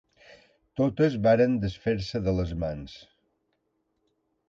Totes varen desfer-se de les mans